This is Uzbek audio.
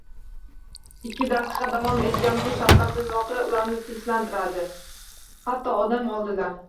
Ikki daqiqa davom etgan bu shafqatsiz voqea ularni tinchlantirdi, hatto dam oldilar.